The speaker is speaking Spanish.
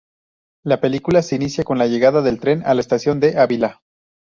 La película se inicia con la llegada del tren a la estación de Ávila.